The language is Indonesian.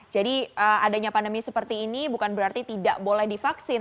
jadi adanya pandemi seperti ini bukan berarti tidak boleh divaksin